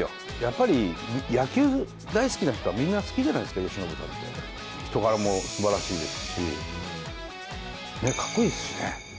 やっぱり、野球大好きな人はみんな好きじゃないですか、由伸さんって、人柄もすばらしいですし、ね、かっこいいですしね。